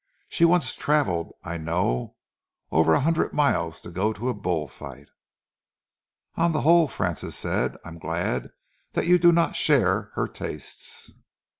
She once travelled, I know, over a hundred miles to go to a bull fight." "On the whole," Francis said, "I am glad that you do not share her tastes."